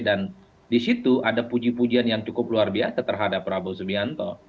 dan di situ ada puji pujian yang cukup luar biasa terhadap prabowo subianto